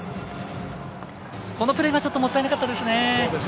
このプレーがちょっともったいなかったですね。